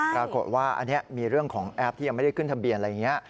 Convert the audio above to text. ปรากฏว่าอันนี้มีเรื่องของแอปที่ยังไม่ได้ขึ้นทะเบียนอะไรอย่างนี้